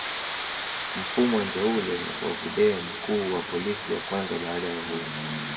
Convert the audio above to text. Mfumwa Njaule wa Vudee mkuu wa polisi wa kwanza baada ya uhuru